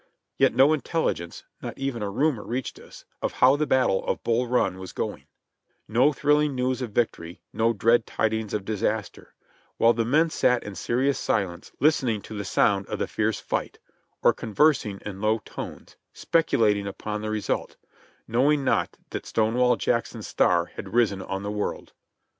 Yet no intelligence — not even a rumor reached us — of how the battle of Bull Run was going; no thrilling news of victory; no dread tidings of disaster; while the men sat in serious silence listening to the sound of the fierce fight, or conversing in low tones, speculating upon the result — knowing not that Stonewall Jackson's star had risen on the world.